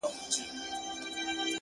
هغې بېگاه زما د غزل کتاب ته اور واچوه ـ